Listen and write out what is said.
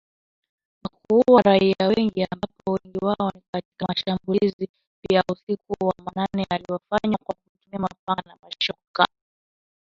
Na kuua raia wengi ambapo wengi wao ni katika mashambulizi ya usiku wa manane yaliyofanywa kwa kutumia mapanga na mashoka.